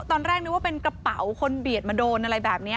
ตอนแรกนึกว่าเป็นกระเป๋าคนเบียดมาโดนอะไรแบบนี้